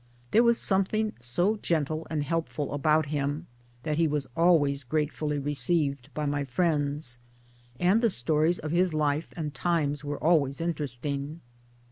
There was something so gentle and helpful about him that he was always gratefully received by my friends ; and the stories of his life and times were always interesting.